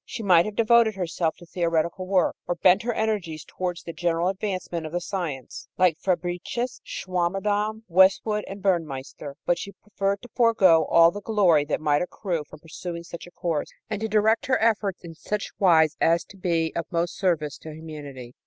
She might have devoted herself to theoretical work, or bent her energies towards the general advancement of the science, like Fabricius, Swammerdam, Westwood and Burnmeister; but she preferred to forego all the glory that might accrue from pursuing such a course, and to direct her efforts in such wise as to be of most service to humanity.